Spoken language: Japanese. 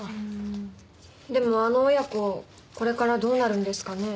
でもあの親子これからどうなるんですかね？